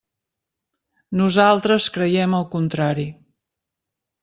Nosaltres creiem el contrari.